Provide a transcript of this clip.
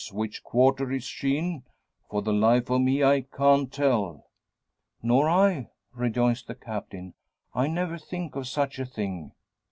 Which quarter is she in? For the life of me, I can't tell." "Nor I," rejoins the Captain. "I never think of such a thing."